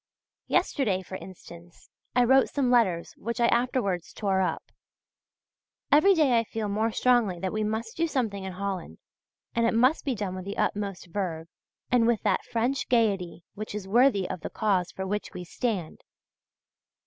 Yesterday, for instance, I wrote some letters which I afterwards tore up. Every day I feel more strongly that we must do something in Holland, and it must be done with the utmost verve and with that French gaiety which is worthy of the cause for which we stand.